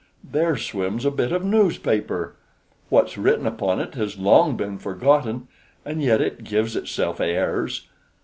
There swims a bit of newspaper. What's written upon it has long been forgotten, and yet it gives itself airs.